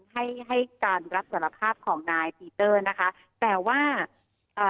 ให้ให้การรับสารภาพของนายปีเตอร์นะคะแต่ว่าเอ่อ